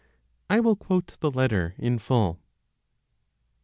(I will quote the letter in full).